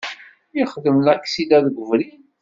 Yexdem laksida deg ubrid.